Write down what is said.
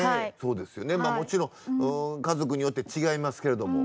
もちろん家族によって違いますけれども。